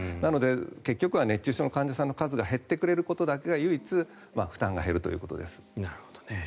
結局は熱中症の患者さんの数が減ってくれることだけが唯一負担が減るということです。